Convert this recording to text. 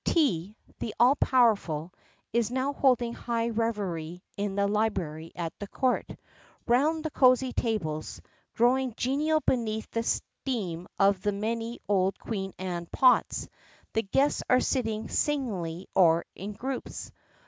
Tea, the all powerful, is now holding high revelry in the library at the Court. Round the cosy tables, growing genial beneath the steam of the many old Queen Anne "pots," the guests are sitting singly or in groups.